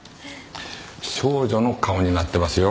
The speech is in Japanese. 少女の顔になってますよ。